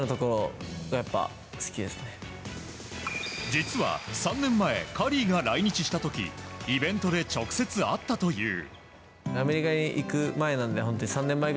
実は３年前カリーが来日した時イベントで直接会ったという。